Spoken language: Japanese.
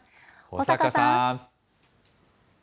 保坂さん。